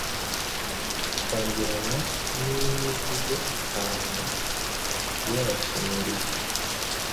atangirana nimivugo itanu yAbasumeriya